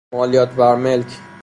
مالیات بر ملک